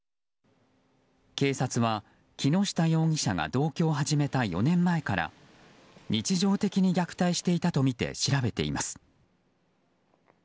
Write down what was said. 警察は木下容疑者が同居を始めた４年前から日常的に虐待していたとみて調べています。